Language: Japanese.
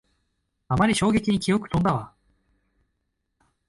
あまりの衝撃に記憶とんだわ